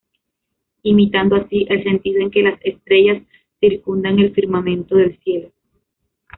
Imitando así, el sentido en que las estrellas circundan el firmamento del cielo.